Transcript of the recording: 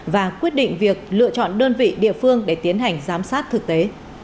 và quyết định việc lựa chọn đơn vị địa phương để tiến hành giám sát thực tế